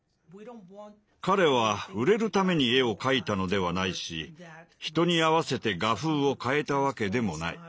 彼は売れるために絵を描いたのではないし人に合わせて画風を変えたわけでもない。